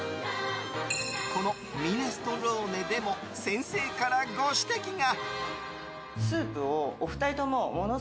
このミネストローネでも先生からご指摘が。